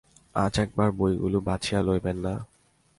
আজ একবার বইগুলি বাছিয়া লইবেন না?